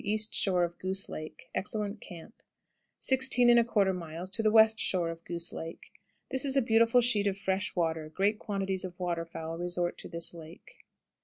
East shore of Goose Lake. Excellent camp. 16 1/4. West shore of Goose Lake. This is a beautiful sheet of fresh water; great quantities of water fowl resort to this lake.